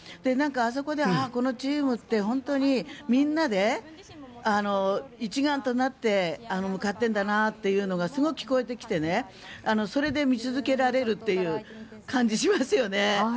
あそこでこのチームって本当にみんなで一丸となって向かっているんだなというのがすごく聞こえてきてそれで見続けられるという感じがしますよね。